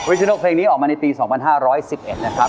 อันดับเสาร์ออกมาในตี๒๕๑๑นะครับ